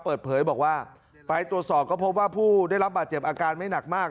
เปิดเผยบอกว่าไปตรวจสอบก็พบว่าผู้ได้รับบาดเจ็บอาการไม่หนักมาก